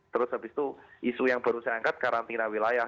terus habis itu isu yang baru saya angkat karantina wilayah